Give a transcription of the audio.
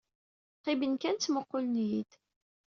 Qqimen kan ttmuqqulen-iyi-d.